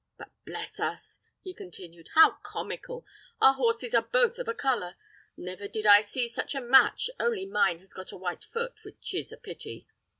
But, bless us!" he continued, "how comical! our horses are both of a colour. Never did I see such a match, only mine has got a white foot, which is a pity.